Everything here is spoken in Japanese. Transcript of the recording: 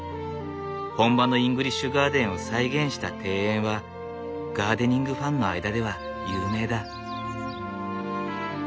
本場のイングリッシュガーデンを再現した庭園はガーデニングファンの間では有名だ。